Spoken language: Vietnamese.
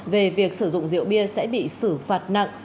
về việc sử dụng rượu bia sẽ bị xử phạt nặng